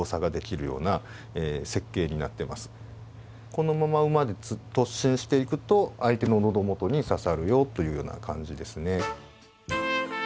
このまま馬で突進していくと相手の喉元に刺さるよというような感じですね。